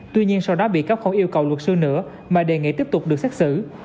tuy nhiên sau đó bị cáo không yêu cầu luật sư nữa mà đề nghị tiếp tục được xét xử